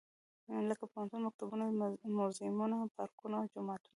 لکه پوهنتونه ، مکتبونه موزيمونه، پارکونه ، جوماتونه.